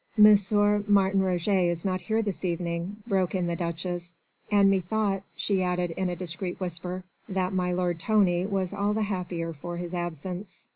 "M. Martin Roget is not here this evening," broke in the Duchess, "and methought," she added in a discreet whisper, "that my lord Tony was all the happier for his absence.